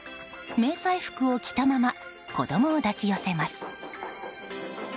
迷彩服を着たまま子供を抱き寄せます。